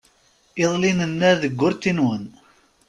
Iḍelli nella deg urti-nwen.